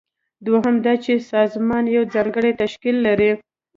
دوهم دا چې سازمان یو ځانګړی تشکیل لري.